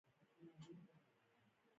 احمد او سارا ګرده ورځ لاس تر غاړه سره ګرځي.